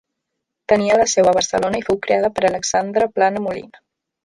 Tenia la seu a Barcelona i fou creada per Alexandre Plana Molina.